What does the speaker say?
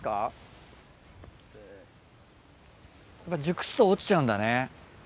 熟すと落ちちゃうんだね。